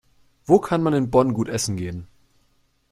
Wo kann man in Bonn gut essen gehen?